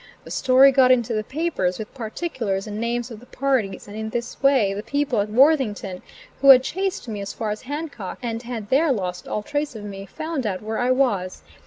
The story got into the papers, with particulars and names of the parties, and in this way the people at Worthington, who had chased me as far as Hancock and had there lost all trace of me, found out where I was.